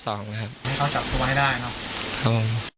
ให้เขาจับตัวให้ได้เนอะ